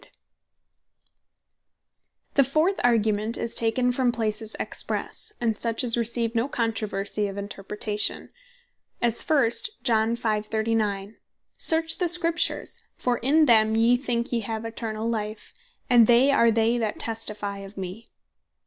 From Formall And Cleer Texts The fourth Argument is taken from places expresse, and such as receive no controversie of Interpretation; as first, John 5. 39. "Search the Scriptures, for in them yee thinke yee have eternall life; and they are they that testifie of mee."